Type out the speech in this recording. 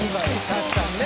確かにね。